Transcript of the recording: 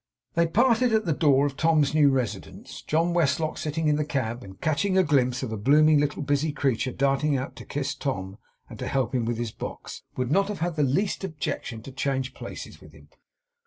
They parted at the door of Tom's new residence. John Westlock, sitting in the cab, and, catching a glimpse of a blooming little busy creature darting out to kiss Tom and to help him with his box, would not have had the least objection to change places with him.